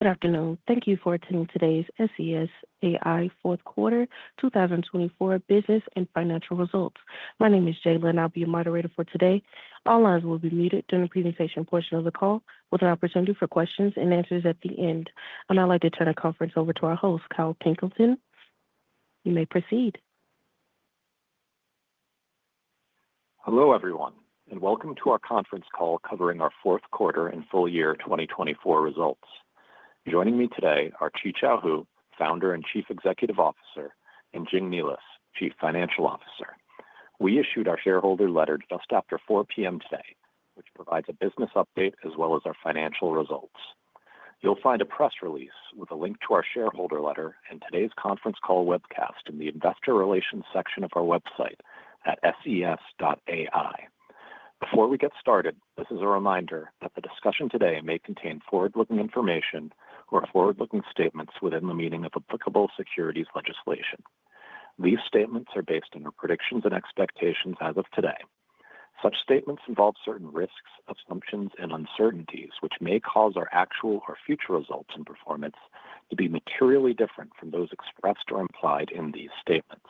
Good afternoon. Thank you for attending today's SES AI Fourth Quarter 2024 Business and Financial Results. My name is Jaylen. I'll be your moderator for today. All lines will be muted during the presentation portion of the call, with an opportunity for questions and answers at the end. I'd now like to turn the conference over to our host, Kyle Pilkington. You may proceed. Hello, everyone, and welcome to our conference call covering our fourth quarter and full year 2024 results. Joining me today are Qichao Hu, Founder and Chief Executive Officer, and Jing Nealis, Chief Financial Officer. We issued our shareholder letter just after 4:00 p.m. today, which provides a business update as well as our financial results. You'll find a press release with a link to our shareholder letter and today's conference call webcast in the Investor Relations section of our website at ses.ai. Before we get started, this is a reminder that the discussion today may contain forward-looking information or forward-looking statements within the meaning of applicable securities legislation. These statements are based on our predictions and expectations as of today. Such statements involve certain risks, assumptions, and uncertainties which may cause our actual or future results and performance to be materially different from those expressed or implied in these statements.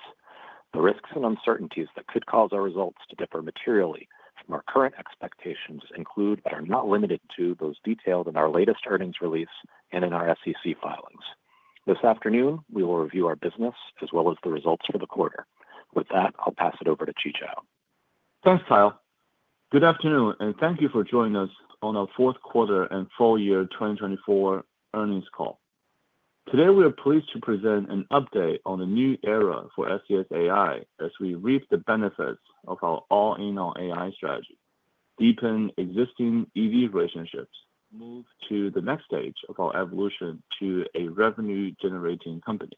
The risks and uncertainties that could cause our results to differ materially from our current expectations include but are not limited to those detailed in our latest earnings release and in our SEC filings. This afternoon, we will review our business as well as the results for the quarter. With that, I'll pass it over to Qichao. Thanks, Kyle. Good afternoon, and thank you for joining us on our fourth quarter and full year 2024 Earnings Call. Today, we are pleased to present an update on the new era for SES AI as we reap the benefits of our All-in on AI strategy, deepen existing EV relationships, move to the next stage of our evolution to a revenue-generating company,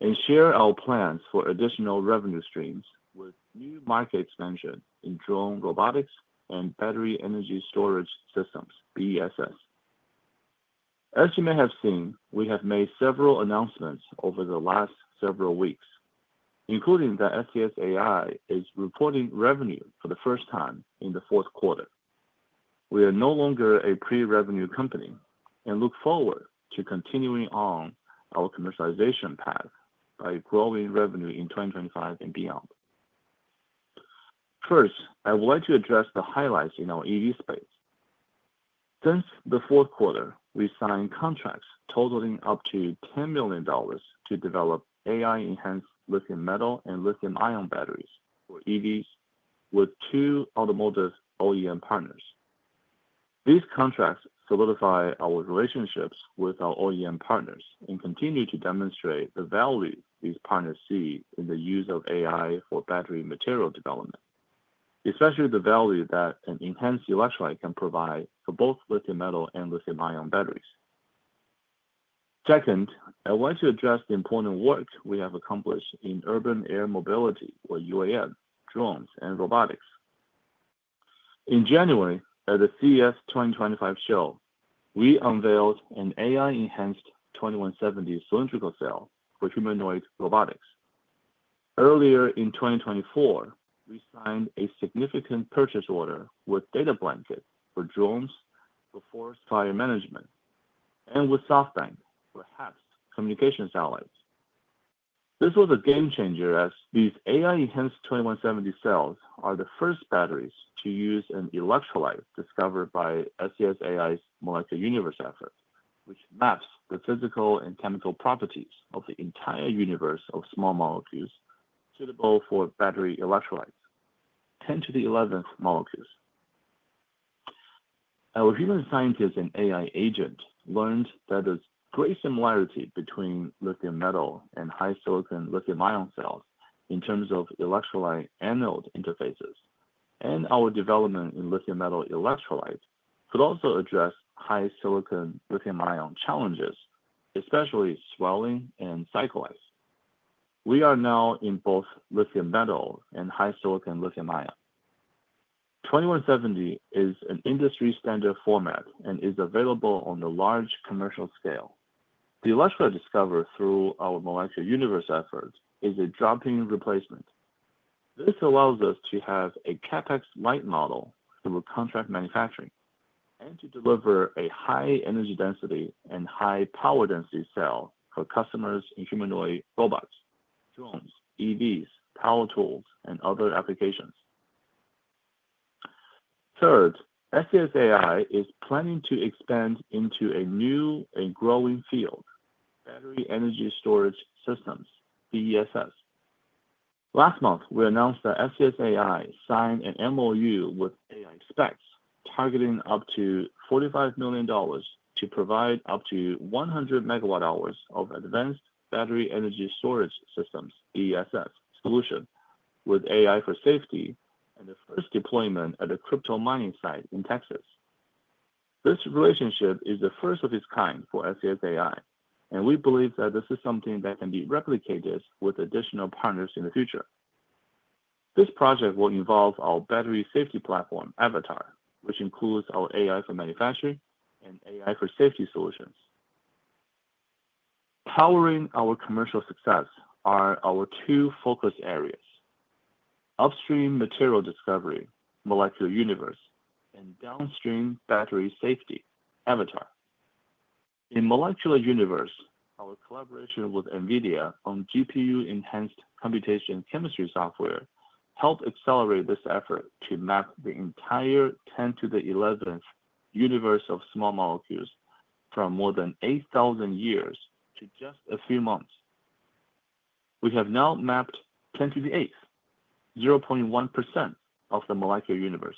and share our plans for additional revenue streams with new market expansion in drone robotics and battery energy storage systems, BESS. As you may have seen, we have made several announcements over the last several weeks, including that SES AI is reporting revenue for the first time in the fourth quarter. We are no longer a pre-revenue company and look forward to continuing on our commercialization path by growing revenue in 2025 and beyond. First, I would like to address the highlights in our EV space. Since fourth quarter, we signed contracts totaling up to $10 million to develop AI-enhanced lithium metal and lithium-ion batteries for EVs with two automotive OEM partners. These contracts solidify our relationships with our OEM partners and continue to demonstrate the value these partners see in the use of AI for battery material development, especially the value that an enhanced electrolyte can provide for both lithium metal and lithium-ion batteries. Second, I want to address the important work we have accomplished in urban air mobility, or UAM, drones, and robotics. In January, at the CES 2025 show, we unveiled an AI-enhanced 2170 cylindrical cell for humanoid robotics. Earlier in 2024, we signed a significant purchase order with Data Blanket for drones, for fire management, and with SoftBank for HAPS communications satellites. This was a game changer as these AI-enhanced 2170 cells are the first batteries to use an electrolyte discovered by SES AI's Molecular Universe effort, which maps the physical and chemical properties of the entire universe of small molecules suitable for battery electrolytes, 10 to the 11th molecules. Our human scientist and AI agent learned that there's great similarity between lithium metal and high silicon lithium-ion cells in terms of electrolyte anode interfaces, and our development in lithium metal electrolyte could also address high silicon lithium-ion challenges, especially swelling and cycling. We are now in both lithium metal and high silicon lithium-ion. 2170 is an industry-standard format and is available on the large commercial scale. The electrolyte discovered through our Molecular Universe effort is a drop-in replacement. This allows us to have a CapEx light model through contract manufacturing and to deliver a high energy density and high power density cell for customers in humanoid robots, drones, EVs, power tools, and other applications. Third, SES AI is planning to expand into a new and growing field, Battery Energy Storage Systems, BESS. Last month, we announced that SES AI signed an MOU with AISPEX, targeting up to $45 million to provide up to 100 MWh of advanced battery energy storage systems, BESS, solution with AI for safety and the first deployment at a crypto mining site in Texas. This relationship is the first of its kind for SES AI, and we believe that this is something that can be replicated with additional partners in the future. This project will involve our battery safety platform, Avatar, which includes our AI for manufacturing and AI for safety solutions. Powering our commercial success are our two focus areas: upstream material discovery, Molecular Universe, and downstream battery safety, Avatar. In Molecular Universe, our collaboration with NVIDIA on GPU-enhanced computational chemistry software helped accelerate this effort to map the entire 10 to the 11th universe of small molecules from more than 8,000 years to just a few months. We have now mapped 10 to the 8th, 0.1% of the Molecular Universe.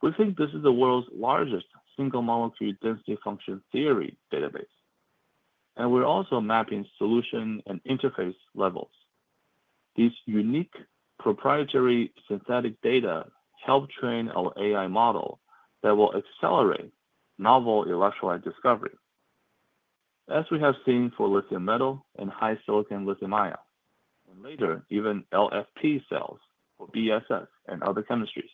We think this is the world's largest single molecule density functional theory database, and we're also mapping solution and interface levels. These unique proprietary synthetic data help train our AI model that will accelerate novel electrolyte discovery, as we have seen for lithium metal and high silicon lithium-ion, and later even LFP cells for BESS and other chemistries.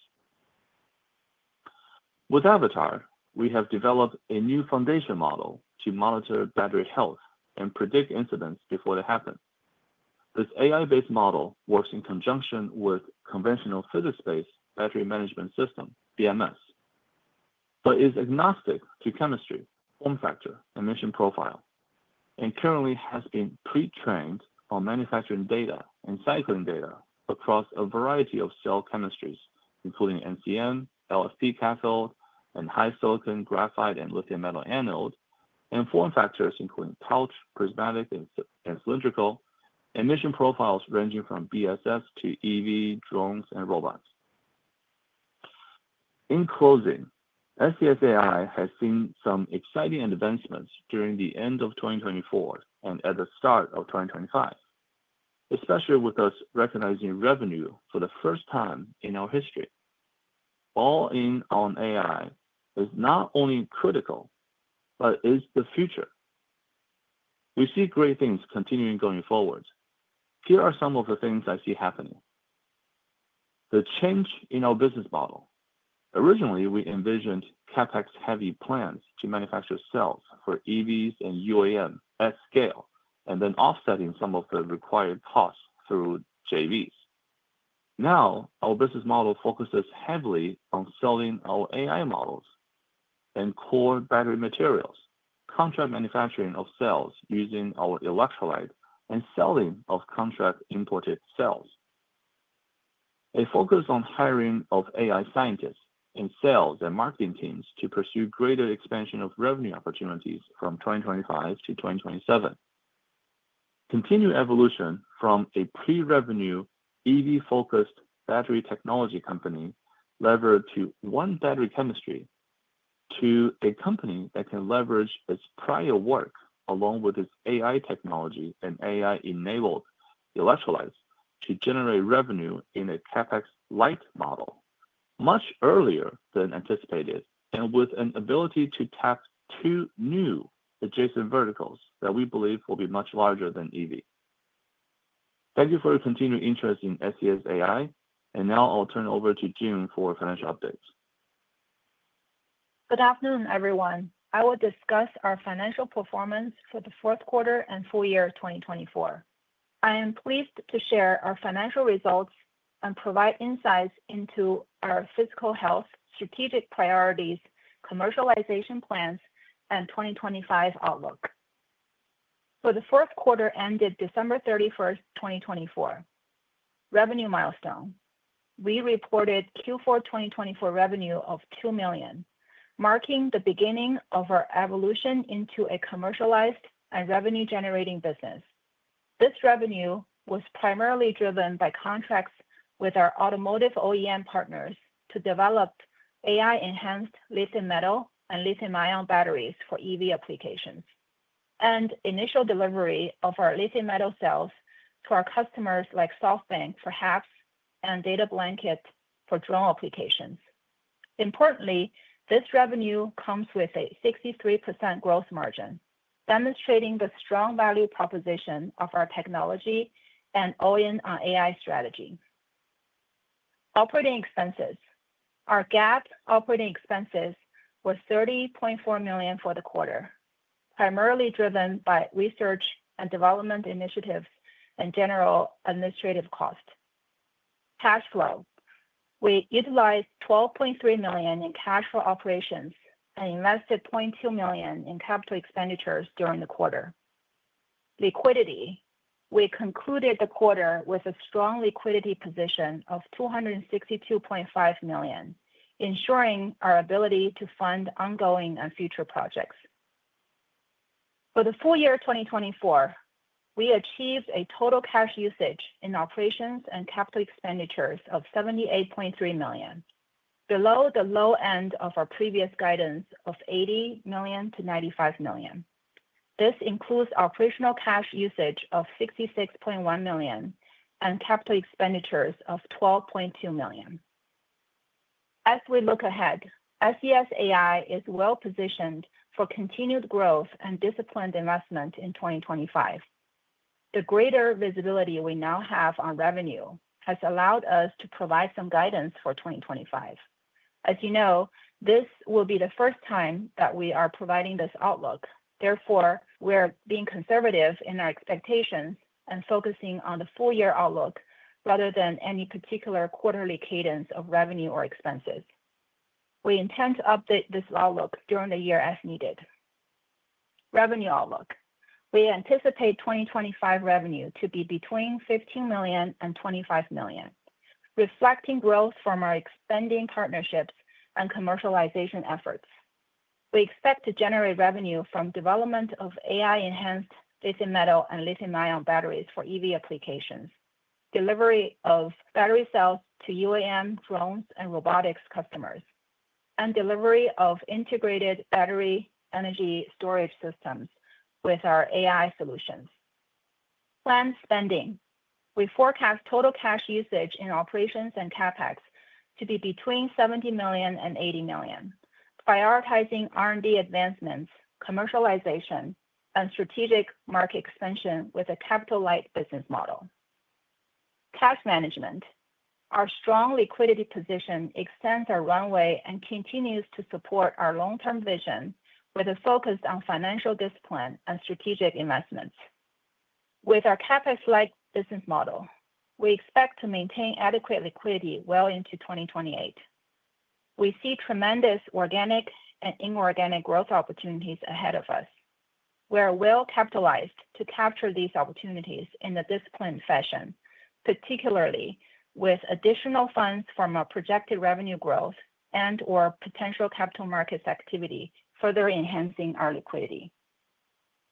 With Avatar, we have developed a new foundation model to monitor battery health and predict incidents before they happen. This AI-based model works in conjunction with conventional physics-based battery management system, BMS, but is agnostic to chemistry, form factor, and mission profile, and currently has been pre-trained on manufacturing data and cycling data across a variety of cell chemistries, including NCM, LFP cathode, and high silicon graphite and lithium metal anode, and form factors including pouch, prismatic, and cylindrical, and mission profiles ranging from BESS to EV, drones, and robots. In closing, SES AI has seen some exciting advancements during the end of 2024 and at the start of 2025, especially with us recognizing revenue for the first time in our history. All in all, AI is not only critical, but is the future. We see great things continuing going forward. Here are some of the things I see happening. The change in our business model. Originally, we envisioned CapEx-heavy plans to manufacture cells for EVs and UAM at scale and then offsetting some of the required costs through JVs. Now, our business model focuses heavily on selling our AI models and core battery materials, contract manufacturing of cells using our electrolyte, and selling of contract-imported cells. A focus on hiring of AI scientists and sales and marketing teams to pursue greater expansion of revenue opportunities from 2025 to 2027. Continue evolution from a pre-revenue EV-focused battery technology company levered to one battery chemistry to a company that can leverage its prior work along with its AI technology and AI-enabled electrolytes to generate revenue in a CapEx-light model much earlier than anticipated and with an ability to tap two new adjacent verticals that we believe will be much larger than EV. Thank you for your continued interest in SES AI, and now I'll turn it over to Jing for financial updates. Good afternoon, everyone. I will discuss our financial performance for fourth quarter and full year 2024. I am pleased to share our financial results and provide insights into our fiscal health, strategic priorities, commercialization plans, and 2025 outlook. So the fourth quarter ended December 31st, 2024. Revenue milestone, we reported Q4 2024 revenue of $2 million, marking the beginning of our evolution into a commercialized and revenue-generating business. This revenue was primarily driven by contracts with our automotive OEM partners to develop AI-enhanced lithium metal and lithium-ion batteries for EV applications and initial delivery of our lithium metal cells to our customers like SoftBank for HAPS and Data Blanket for drone applications. Importantly, this revenue comes with a 63% gross margin, demonstrating the strong value proposition of our technology and all-in-on AI strategy. Operating expenses. Our GAAP operating expenses were $30.4 million for the quarter, primarily driven by research and development initiatives and general administrative costs. Cash flow, we utilized $12.3 million in cash flow operations and invested $0.2 million in capital expenditures during the quarter. Liquidity, we concluded the quarter with a strong liquidity position of $262.5 million, ensuring our ability to fund ongoing and future projects. For the full year 2024, we achieved a total cash usage in operations and capital expenditures of $78.3 million, below the low end of our previous guidance of $80 million-$95 million. This includes operational cash usage of $66.1 million and capital expenditures of $12.2 million. As we look ahead, SES AI is well positioned for continued growth and disciplined investment in 2025. The greater visibility we now have on revenue has allowed us to provide some guidance for 2025. As you know, this will be the first time that we are providing this outlook. Therefore, we are being conservative in our expectations and focusing on the full-year outlook rather than any particular quarterly cadence of revenue or expenses. We intend to update this outlook during the year as needed. Revenue outlook. We anticipate 2025 revenue to be between $15 million and $25 million, reflecting growth from our expanding partnerships and commercialization efforts. We expect to generate revenue from development of AI-enhanced lithium metal and lithium-ion batteries for EV applications, delivery of battery cells to UAM, drones, and robotics customers, and delivery of integrated battery energy storage systems with our AI solutions. Planned spending. We forecast total cash usage in operations and CapEx to be between $70 million and $80 million, prioritizing R&D advancements, commercialization, and strategic market expansion with a capital-light business model. Cash management. Our strong liquidity position extends our runway and continues to support our long-term vision with a focus on financial discipline and strategic investments. With our CapEx-light business model, we expect to maintain adequate liquidity well into 2028. We see tremendous organic and inorganic growth opportunities ahead of us. We are well capitalized to capture these opportunities in a disciplined fashion, particularly with additional funds from our projected revenue growth and/or potential capital markets activity further enhancing our liquidity.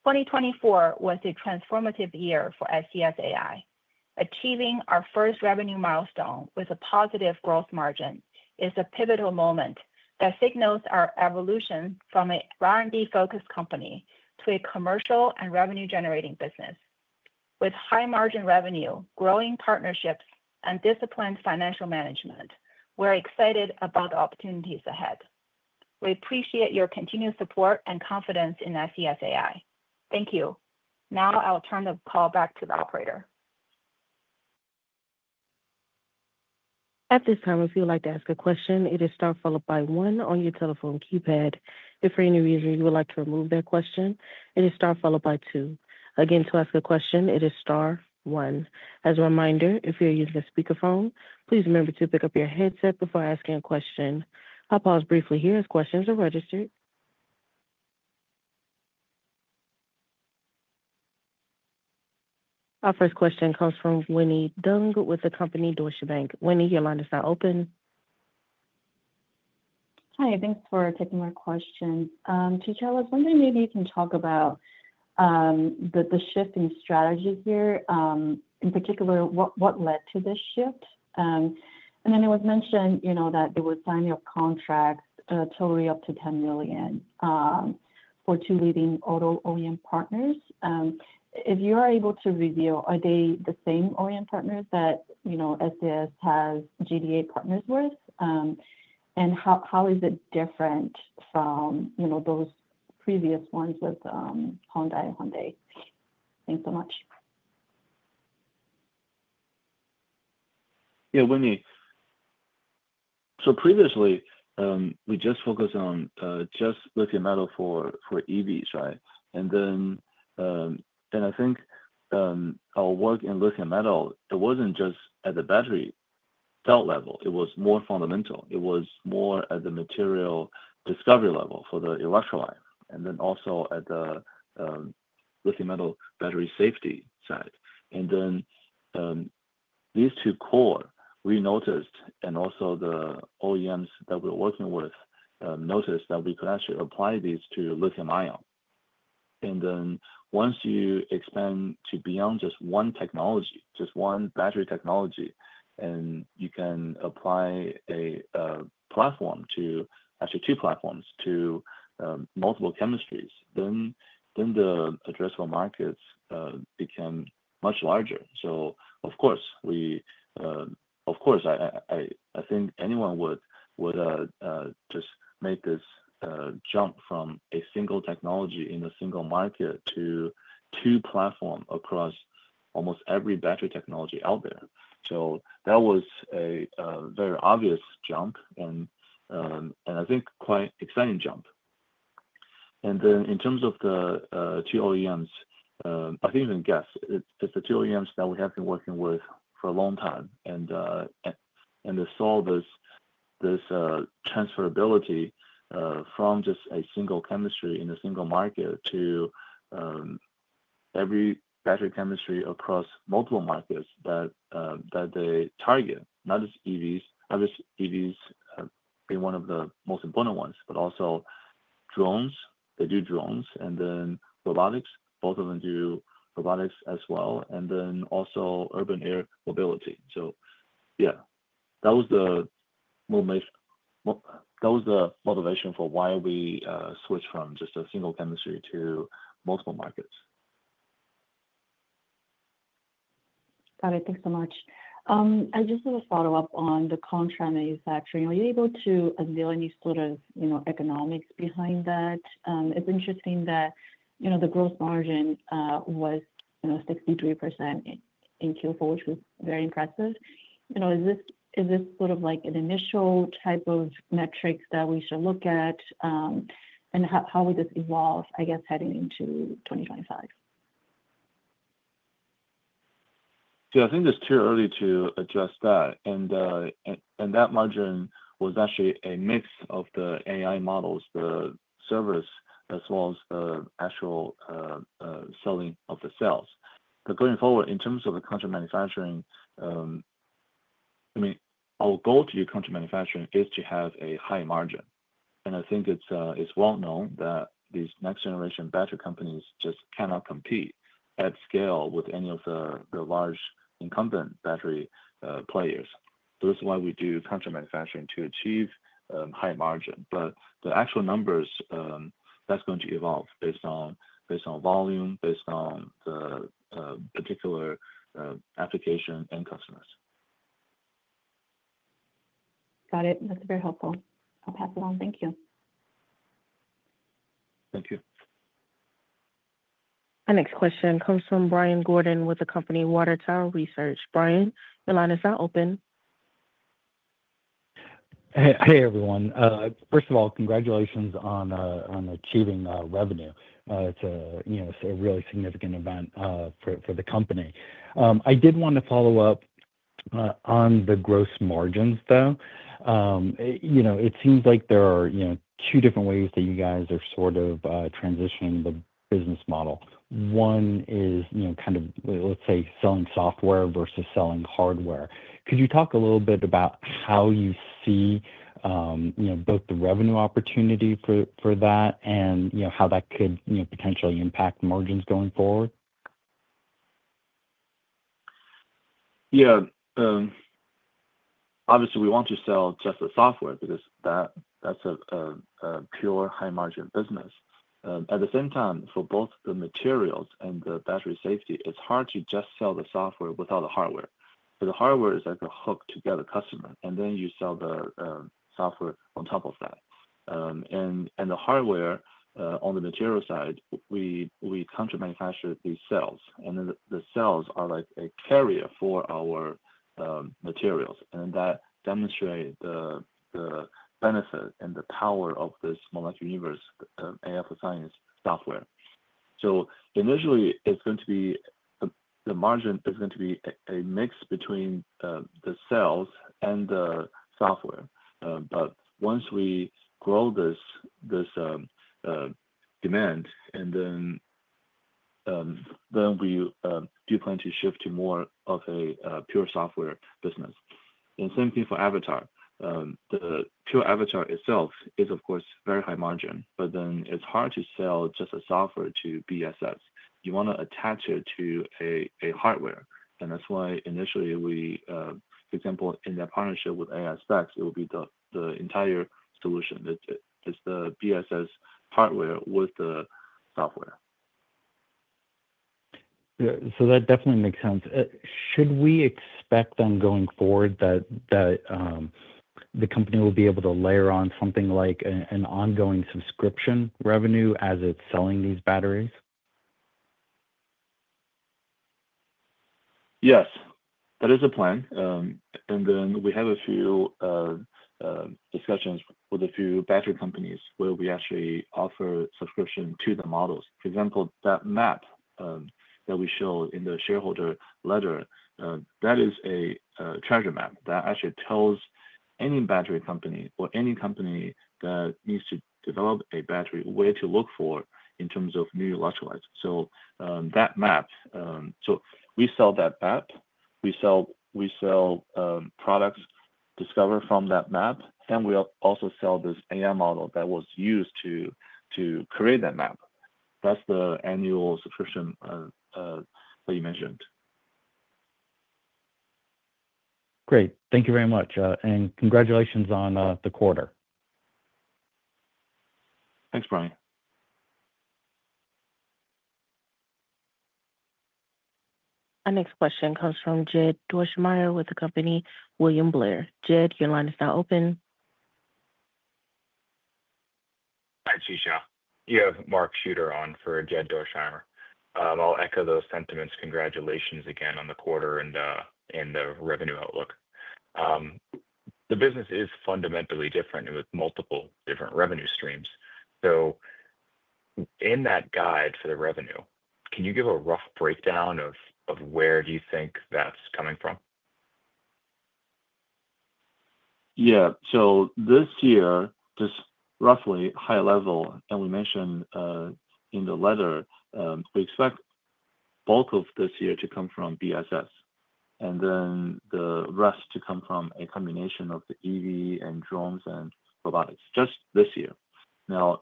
2024 was a transformative year for SES AI. Achieving our first revenue milestone with a positive gross margin is a pivotal moment that signals our evolution from an R&D-focused company to a commercial and revenue-generating business. With high-margin revenue, growing partnerships, and disciplined financial management, we're excited about the opportunities ahead. We appreciate your continued support and confidence in SES AI. Thank you. Now I'll turn the call back to the operator. At this time, if you'd like to ask a question, it is star followed by one on your telephone keypad. If for any reason you would like to remove that question, it is star followed by two. Again, to ask a question, it is star, one. As a reminder, if you're using a speakerphone, please remember to pick up your headset before asking a question. I'll pause briefly here as questions are registered. Our first question comes from Winnie Dong with the company Deutsche Bank. Winnie, your line is now open. Hi, thanks for taking my question. To Kyle, I was wondering maybe you can talk about the shift in strategy here. In particular, what led to this shift? And then it was mentioned that they would sign your contract totally up to $10 million for two leading auto OEM partners. If you are able to reveal, are they the same OEM partners that SES has JDA partners with? And how is it different from those previous ones with Honda and Hyundai? Thanks so much. Yeah, Winnie. So previously, we just focused on just lithium metal for EVs, right, and then I think our work in lithium metal, it wasn't just at the battery cell level. It was more fundamental. It was more at the material discovery level for the electrolyte, and then also at the lithium metal battery safety side, and then these two cores, we noticed, and also the OEMs that we're working with noticed that we could actually apply these to lithium-ion, and then once you expand to beyond just one technology, just one battery technology, and you can apply a platform to actually two platforms to multiple chemistries, then the addressable markets become much larger, so of course, I think anyone would just make this jump from a single technology in a single market to two platforms across almost every battery technology out there. So that was a very obvious jump, and I think quite an exciting jump. And then in terms of the two OEMs, I think you can guess. It's the two OEMs that we have been working with for a long time, and they saw this transferability from just a single chemistry in a single market to every battery chemistry across multiple markets that they target, not just EVs. Obviously, EVs being one of the most important ones, but also drones. They do drones, and then robotics. Both of them do robotics as well, and then also urban air mobility. So yeah, that was the motivation for why we switched from just a single chemistry to multiple markets. Got it. Thanks so much. I just have a follow-up on the contract manufacturing. Are you able to unveil any sort of economics behind that? It's interesting that the gross margin was 63% in Q4, which was very impressive. Is this sort of like an initial type of metrics that we should look at? And how will this evolve, I guess, heading into 2025? Yeah, I think it's too early to address that. And that margin was actually a mix of the AI models, the servers, as well as the actual selling of the cells. But going forward, in terms of the contract manufacturing, I mean, our goal to contract manufacturing is to have a high margin. And I think it's well known that these next-generation battery companies just cannot compete at scale with any of the large incumbent battery players. So that's why we do contract manufacturing to achieve high margin. But the actual numbers, that's going to evolve based on volume, based on the particular application and customers. Got it. That's very helpful. I'll pass it on. Thank you. Thank you. Our next question comes from Brian Gordon with the company Water Tower Research. Brian, your line is now open. Hey, everyone. First of all, congratulations on achieving revenue. It's a really significant event for the company. I did want to follow up on the gross margins, though. It seems like there are two different ways that you guys are sort of transitioning the business model. One is kind of, let's say, selling software versus selling hardware. Could you talk a little bit about how you see both the revenue opportunity for that and how that could potentially impact margins going forward? Yeah. Obviously, we want to sell just the software because that's a pure high-margin business. At the same time, for both the materials and the battery safety, it's hard to just sell the software without the hardware, so the hardware is like a hook to get a customer, and then you sell the software on top of that, and the hardware on the material side, we contract manufacture these cells, and then the cells are like a carrier for our materials, and that demonstrates the benefit and the power of this Molecular Universe, AI Science software, so initially, it's going to be the margin is going to be a mix between the cells and the software, but once we grow this demand, then we do plan to shift to more of a pure software business, and same thing for Avatar. The pure Avatar itself is, of course, very high margin, but then it's hard to sell just a software to BESS. You want to attach it to a hardware. And that's why initially we, for example, in that partnership with AISPEX, it will be the entire solution. It's the BESS hardware with the software. So that definitely makes sense. Should we expect then going forward that the company will be able to layer on something like an ongoing subscription revenue as it's selling these batteries? Yes. That is a plan, and then we have a few discussions with a few battery companies where we actually offer subscription to the models. For example, that map that we show in the shareholder letter, that is a treasure map that actually tells any battery company or any company that needs to develop a battery where to look for in terms of new electrolytes. So that map, so we sell that map. We sell products discovered from that map, and we also sell this AI model that was used to create that map. That's the annual subscription that you mentioned. Great. Thank you very much. And congratulations on the quarter. Thanks, Brian. Our next question comes from Jed Dorsheimer with the company William Blair. Jed, your line is now open. Hi, Qichao. You have Mark Shooter on for Jed Dorsheimer. I'll echo those sentiments. Congratulations again on the quarter and the revenue outlook. The business is fundamentally different with multiple different revenue streams. So in that guide for the revenue, can you give a rough breakdown of where do you think that's coming from? Yeah. So this year, just roughly high level, and we mentioned in the letter, we expect the bulk of this year to come from BESS and then the rest to come from a combination of the EV and drones and robotics just this year. Now,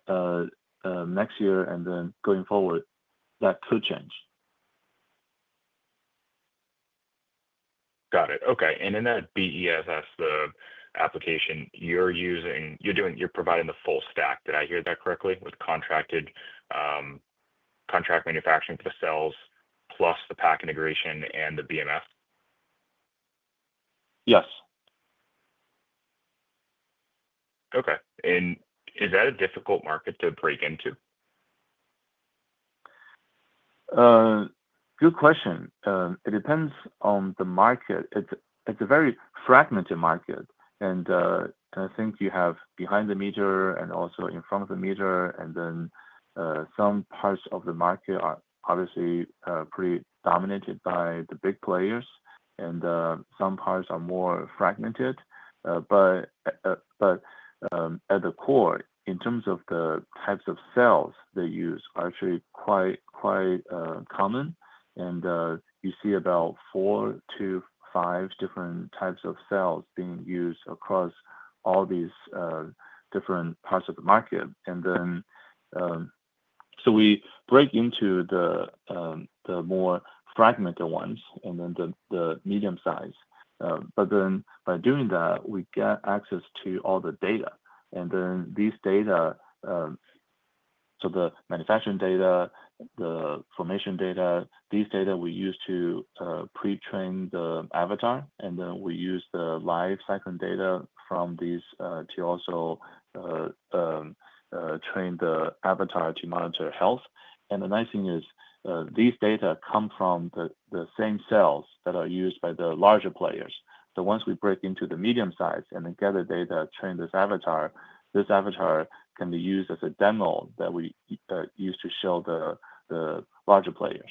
next year and then going forward, that could change. Got it. Okay. And in that BESS application, you're providing the full stack. Did I hear that correctly? With contract manufacturing for the cells plus the pack integration and the BMS? Yes. Okay, and is that a difficult market to break into? Good question. It depends on the market. It's a very fragmented market, and I think you have behind the meter and also in front of the meter, and then some parts of the market are obviously pretty dominated by the big players, and some parts are more fragmented, but at the core, in terms of the types of cells they use, are actually quite common, and you see about four to five different types of cells being used across all these different parts of the market, and then so we break into the more fragmented ones and then the medium size, but then by doing that, we get access to all the data, and then these data, so the manufacturing data, the formation data, these data we use to pre-train the Avatar, and then we use the live cycling data from these to also train the Avatar to monitor health. And the nice thing is these data come from the same cells that are used by the larger players. So once we break into the medium size and then get the data to train this Avatar, this Avatar can be used as a demo that we use to show the larger players.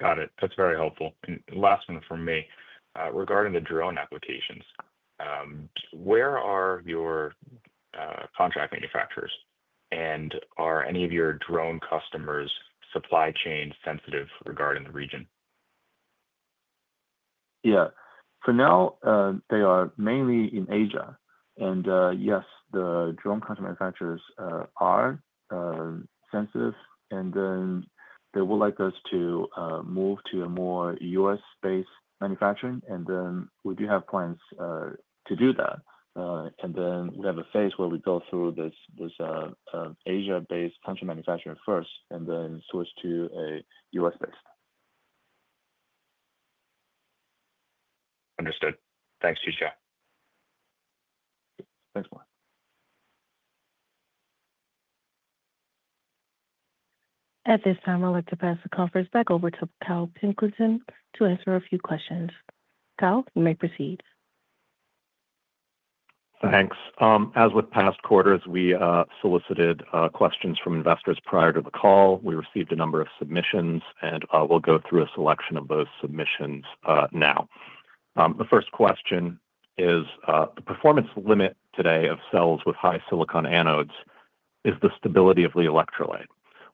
Got it. That's very helpful. Last one from me. Regarding the drone applications, where are your contract manufacturers, and are any of your drone customers supply chain sensitive regarding the region? Yeah. For now, they are mainly in Asia. And yes, the drone contract manufacturers are sensitive. And then they would like us to move to a more U.S.-based manufacturing. And then we do have plans to do that. And then we have a phase where we go through this Asia-based contract manufacturing first and then switch to a U.S.-based. Understood. Thanks, Qichao. Thanks, Brian. At this time, I'd like to pass the conference back over to Kyle Pilkington to answer a few questions. Kyle, you may proceed. Thanks. As with past quarters, we solicited questions from investors prior to the call. We received a number of submissions, and we'll go through a selection of those submissions now. The first question is: The performance limit today of cells with high silicon anodes is the stability of the electrolyte.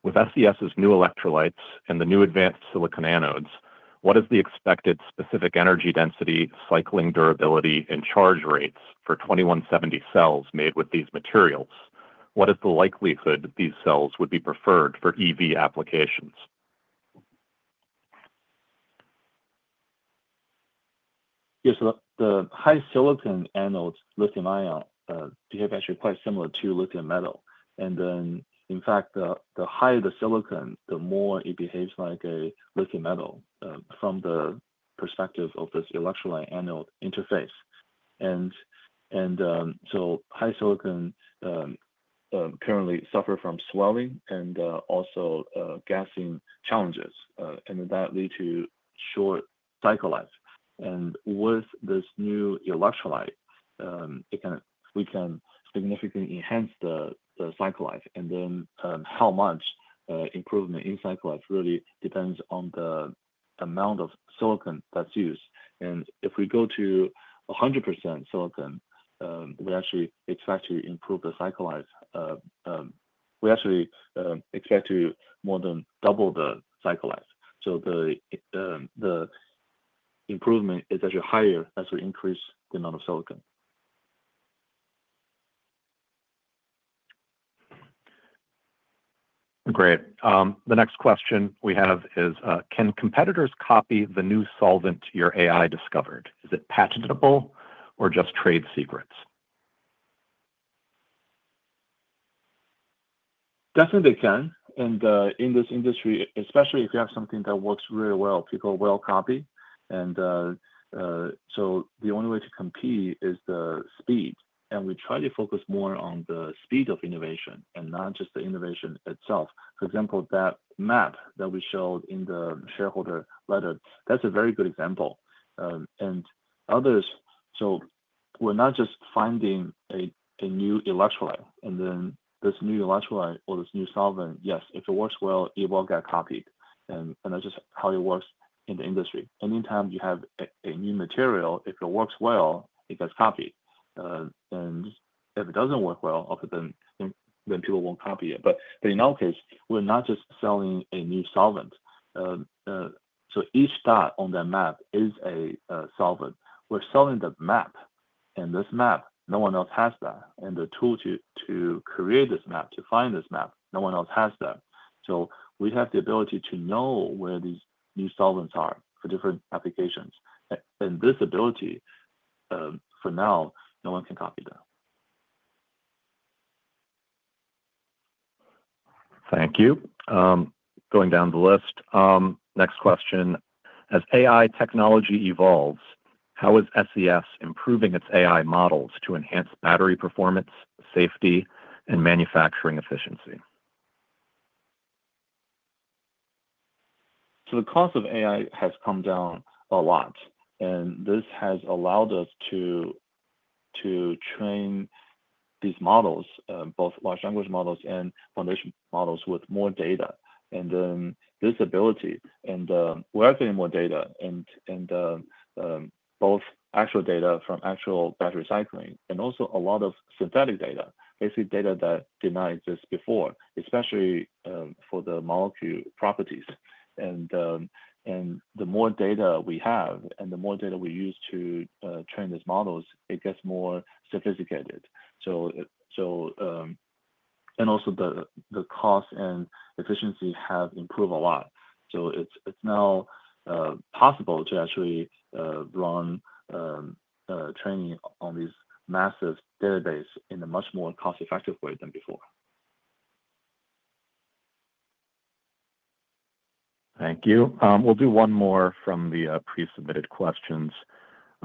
With SES's new electrolytes and the new advanced silicon anodes, what is the expected specific energy density, cycling durability, and charge rates for 2170 cells made with these materials? What is the likelihood that these cells would be preferred for EV applications? Yeah. So the high silicon anodes, lithium-ion, behave actually quite similar to lithium metal. And then, in fact, the higher the silicon, the more it behaves like a lithium metal from the perspective of this electrolyte anode interface. And so high silicon currently suffer from swelling and also gassing challenges. And then that leads to short cycle life. And with this new electrolyte, we can significantly enhance the cycle life. And then how much improvement in cycle life really depends on the amount of silicon that's used. And if we go to 100% silicon, we actually expect to improve the cycle life. We actually expect to more than double the cycle life. So the improvement is actually higher as we increase the amount of silicon. Great. The next question we have is, can competitors copy the new solvent your AI discovered? Is it patentable or just trade secrets? Definitely, they can, and in this industry, especially if you have something that works really well, people will copy, and so the only way to compete is the speed, and we try to focus more on the speed of innovation and not just the innovation itself. For example, that map that we showed in the shareholder letter, that's a very good example, and others, so we're not just finding a new electrolyte, and then this new electrolyte or this new solvent, yes, if it works well, it will get copied, and that's just how it works in the industry. Anytime you have a new material, if it works well, it gets copied, and if it doesn't work well, then people won't copy it, but in our case, we're not just selling a new solvent, so each dot on that map is a solvent. We're selling the map. This map, no one else has that. The tool to create this map, to find this map, no one else has that. We have the ability to know where these new solvents are for different applications. This ability, for now, no one can copy that. Thank you. Going down the list. Next question, as AI technology evolves, how is SES improving its AI models to enhance battery performance, safety, and manufacturing efficiency? So the cost of AI has come down a lot. And this has allowed us to train these models, both large language models and foundation models, with more data. And then this ability, and we are getting more data, and both actual data from actual battery cycling and also a lot of synthetic data, basically data that did not exist before, especially for the molecule properties. And the more data we have and the more data we use to train these models, it gets more sophisticated. And also the cost and efficiency have improved a lot. So it's now possible to actually run training on these massive databases in a much more cost-effective way than before. Thank you. We'll do one more from the pre-submitted questions.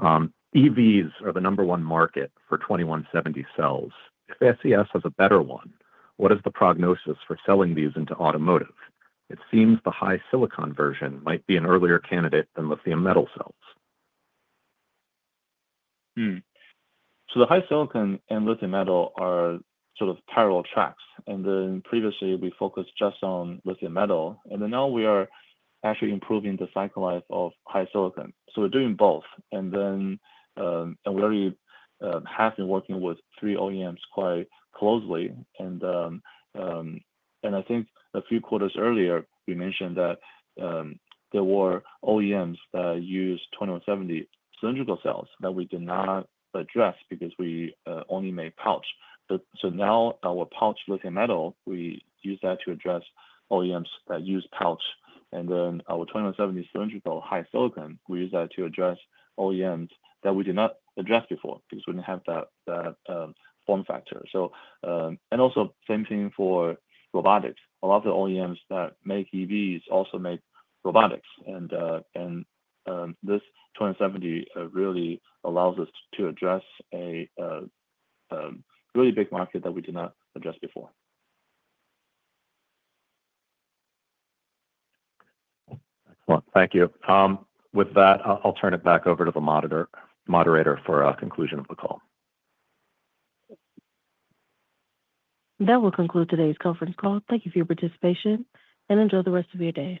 EVs are the number one market for 2170 cells. If SES has a better one, what is the prognosis for selling these into automotive? It seems the high silicon version might be an earlier candidate than lithium metal cells. So the high silicon and lithium metal are sort of parallel tracks. And then previously, we focused just on lithium metal. And then now we are actually improving the cycle life of high silicon. So we're doing both. And then we already have been working with three OEMs quite closely. And I think a few quarters earlier, we mentioned that there were OEMs that used 2170 cylindrical cells that we did not address because we only made pouch. So now our pouch lithium metal, we use that to address OEMs that use pouch. And then our 2170 cylindrical high silicon, we use that to address OEMs that we did not address before because we didn't have that form factor. And also same thing for robotics. A lot of the OEMs that make EVs also make robotics. This 2170 really allows us to address a really big market that we did not address before. Excellent. Thank you. With that, I'll turn it back over to the moderator for a conclusion of the call. That will conclude today's conference call. Thank you for your participation and enjoy the rest of your day.